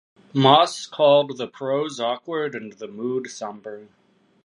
Moss called the prose awkward and the mood sombre.